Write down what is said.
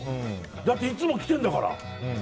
だっていつも来てるんだから。